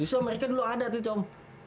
justru amerika dulu ada atlet com